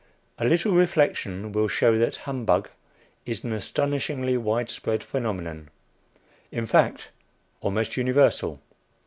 A little reflection will show that humbug is an astonishingly wide spread phenomenon in fact almost universal.